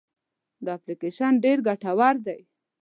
دا اپلیکیشن ډېر ګټور دی.